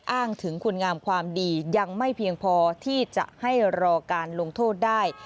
อ้างถึงคุณงามความดียังไม่เพียงพอที่จะให้รอการลงโทษได้